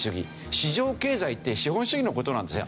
市場経済って資本主義の事なんですね。